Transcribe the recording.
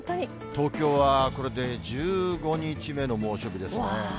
東京はこれで１５日目の猛暑日ですね。